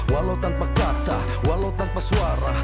walau tanpa kata walau tanpa suara